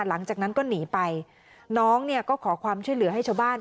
หลังจากนั้นก็หนีไปน้องเนี่ยก็ขอความช่วยเหลือให้ชาวบ้าน